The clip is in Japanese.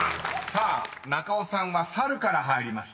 さあ中尾さんは「さる」から入りました］